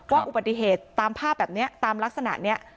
อุบัติเหตุตามภาพแบบนี้ตามลักษณะนี้